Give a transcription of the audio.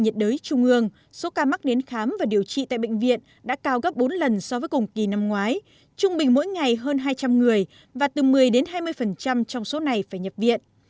trung bình mỗi ngày hơn hai trăm linh người và từ một mươi đến hai mươi trong số này phải nhập viện